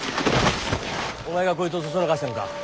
お前がこいつをそそのかしたのか？